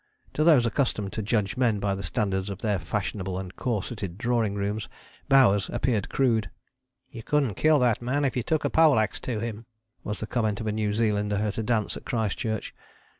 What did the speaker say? To those accustomed to judge men by the standards of their fashionable and corseted drawing rooms Bowers appeared crude. "You couldn't kill that man if you took a pole axe to him," was the comment of a New Zealander at a dance at Christchurch.